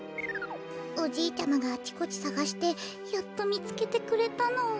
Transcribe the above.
おじいちゃまがあちこちさがしてやっとみつけてくれたの。